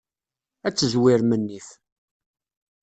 Ad tezwirem nnif.